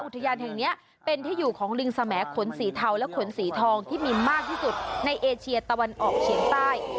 อุทยานแห่งนี้เป็นที่อยู่ของลิงสมขนสีเทาและขนสีทองที่มีมากที่สุดในเอเชียตะวันออกเฉียงใต้